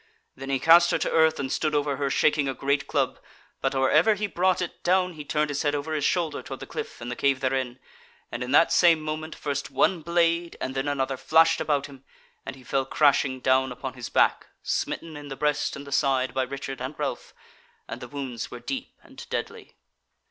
Then he cast her to earth, and stood over her, shaking a great club, but or ever he brought it down he turned his head over his shoulder toward the cliff and the cave therein, and in that same moment first one blade and then another flashed about him, and he fell crashing down upon his back, smitten in the breast and the side by Richard and Ralph; and the wounds were deep and deadly.